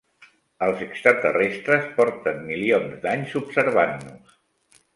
Els extraterrestres porten milions d'anys observant-nos